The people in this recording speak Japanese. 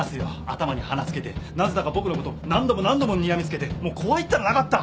頭に花着けてなぜだか僕のこと何度も何度もにらみ付けてもう怖いったらなかった。